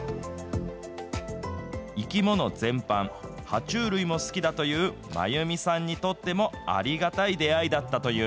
生き物全般、は虫類も好きだという真弓さんにとっても、ありがたい出会いだったという。